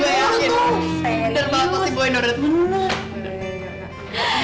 bener banget pasti boy nurut